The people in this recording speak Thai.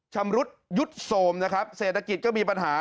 ชำรุดยุดโทรมนะครับเศรษฐกิจก็มีปัญหา